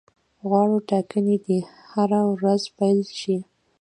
غواړو ټاکنې دي هره ورځ پیل شي.